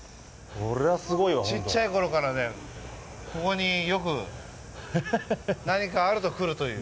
これはすごいわ、ほんとちっちゃいころからね、ここによく何かあると来るという。